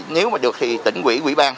nếu mà được thì tỉnh quỹ quỹ ban